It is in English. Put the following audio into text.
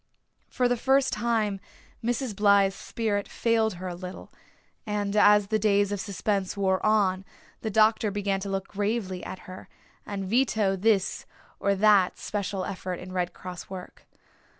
For the first time Mrs. Blythe's spirit failed her a little, and as the days of suspense wore on the doctor began to look gravely at her, and veto this or that special effort in Red Cross work.